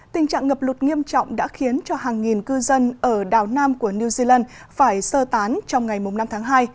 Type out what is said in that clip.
tình trạng ngập lụt nghiêm trọng đã khiến cho hàng nghìn cư dân ở đảo nam của new zealand phải sơ tán trong ngày năm tháng hai